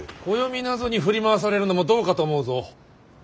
暦なぞに振り回されるのもどうかと思うぞ。